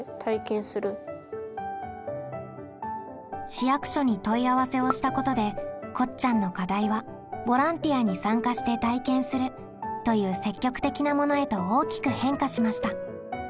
市役所に問い合わせをしたことでこっちゃんの課題は「ボランティアに参加して体験する」という積極的なものへと大きく変化しました。